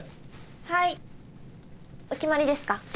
はいお決まりですか？